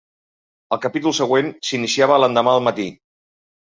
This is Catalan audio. El capítol següent s'iniciava l'endemà al matí.